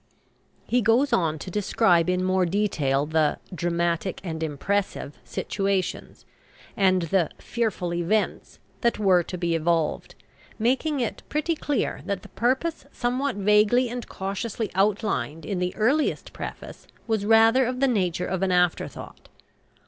He goes on to describe in more detail the "dramatic and impressive" situations and the "fearful events" that were to be evolved, making it pretty clear that the purpose somewhat vaguely and cautiously outlined in the earliest preface was rather of the nature of an afterthought.